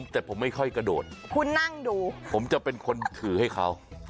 แต่ผมไม่ค่อยกระโดดคุณนั่งดูผมจะเป็นคนถือให้เขา